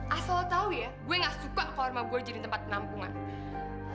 asal lo tau ya gue nggak suka kalau rumah gue jadi tempat penampungan